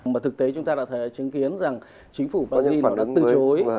mà thực tế chúng ta đã thấy chứng kiến rằng chính phủ brazil đã từ chối